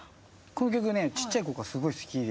この曲ねちっちゃい頃からすごい好きで。